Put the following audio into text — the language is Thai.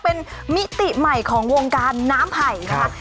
เป็นมิติใหม่ของวงการน้ำไผ่นะคะ